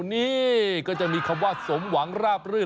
นี่ก็จะมีคำว่าสมหวังราบรื่น